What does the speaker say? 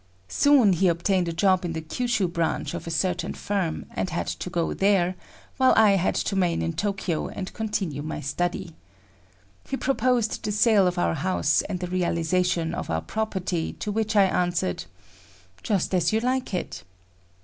Soon he obtained a job in the Kyushu branch of a certain firm and had to go there, while I had to remain in Tokyo and continue my study. He proposed the sale of our house and the realization of our property, to which I answered "Just as you like it."